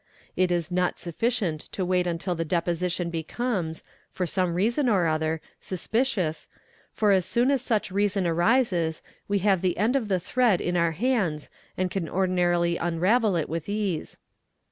It is not sufficient to wait until the deposition becomes, for some reason or other, suspicious, for as — soon as such reason arises, we have the end of the thread in our hands and can ordinarily unravel it with ease.